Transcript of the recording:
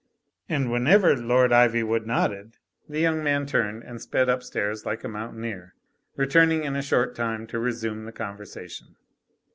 And whenever Lord Ivywood nodded the young man turned and sped up stairs like a mountaineer, returning in a short time to resume the conversation.